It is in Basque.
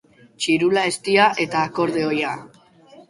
Txirula eztia eta akordeoia.